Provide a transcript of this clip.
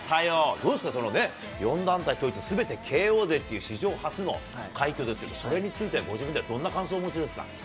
どうですか、４団体統一、すべてＫＯでっていう史上初の快挙ですけど、それについて、ご自分ではどんな感想をお持ちですか。